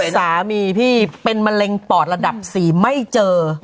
สามีพี่เป็นมะเร็งปอดระดับ๔ไม่เจอ